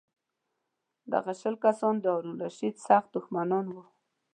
دغه سل کسان د هارون الرشید سخت دښمنان وو.